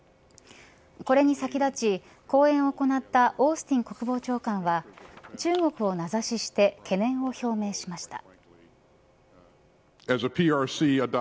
これに先立ち講演を行ったオースティン国防長官は中国を名指しして懸念を表明しました。